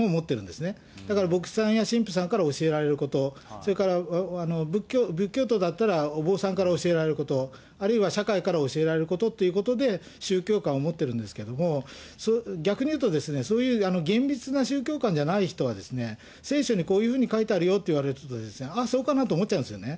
ですから牧師さんや神父さんから教えられること、それから仏教徒だったらお坊さんから教えられること、社会から教えられることということで宗教観を持ってるんですけれども、逆にいうと、そういう厳密な宗教観じゃない人は、聖書にこういうふうに書いてあるよと言われると、ああ、そうかなと思っちゃうんですよね。